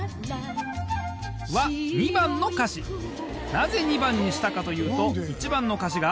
なぜ２番にしたかというと１番の歌詞が。